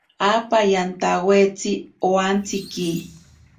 Apa yantawaitsi owantsiki.